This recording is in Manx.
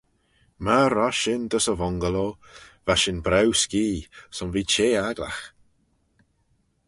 Myr rosh shin dys y Vungaloo, va shin braew skee, son v'eh çheh agglagh.